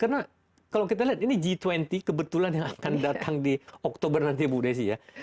karena kalau kita lihat ini g dua puluh kebetulan yang akan datang di oktober nanti ya bu desi ya